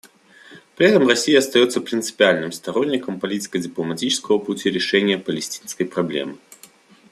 При этом Россия остается принципиальным сторонником политико-дипломатического пути решения палестинской проблемы.